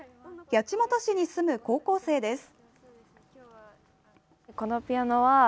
八街市に住む高校生です。